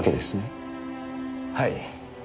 はい。